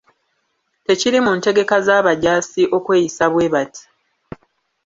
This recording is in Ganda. Tekiri mu ntegeka z'abajaasi okweyisa bwe bati.